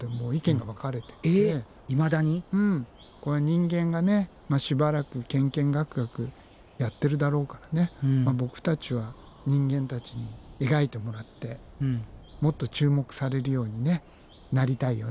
人間がしばらくケンケンガクガクやってるだろうからボクたちは人間たちに描いてもらってもっと注目されるようになりたいよね。